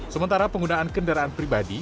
sementara penggunaan kendaraan pribadi